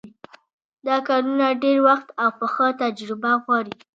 دا کارونه ډېر وخت او پخه تجربه غواړي.